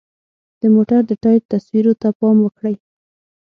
د موټر د ټایر تصویرو ته پام وکړئ.